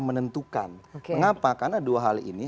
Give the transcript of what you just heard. menentukan mengapa karena dua hal ini